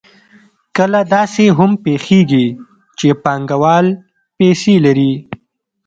کله داسې هم پېښېږي چې پانګوال پیسې لري